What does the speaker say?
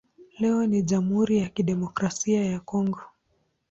Leo hii ni Jamhuri ya Kidemokrasia ya Kongo.